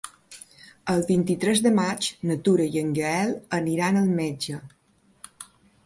El vint-i-tres de maig na Tura i en Gaël aniran al metge.